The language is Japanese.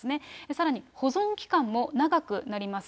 さらに保存期間も長くなります。